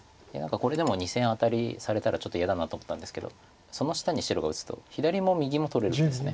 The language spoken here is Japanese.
これでも２線アタリされたらちょっと嫌だなと思ったんですけどその下に白が打つと左も右も取れるんです。